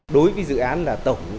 đối với dự án là tổng